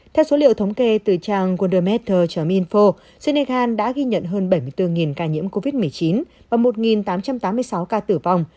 theo số liệu thống kê từ trang goldemettor mino senegal đã ghi nhận hơn bảy mươi bốn ca nhiễm covid một mươi chín và một tám trăm tám mươi sáu ca tử vong